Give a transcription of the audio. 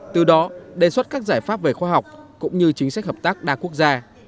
từ đó đề xuất các giải pháp về khoa học cũng như chính sách hợp tác đa quốc gia